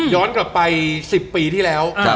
กลับไป๑๐ปีที่แล้ว